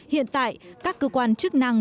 hiện tại các cơ quan chức năng